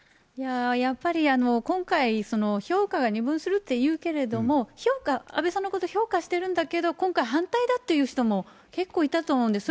やっぱり今回、評価が二分するっていうけれども、評価、安倍さんのこと評価してるんだけど、今回反対だっていう人も、結構いたと思うんです。